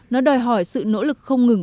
nó đòi hỏi sự nỗ lực không ngừng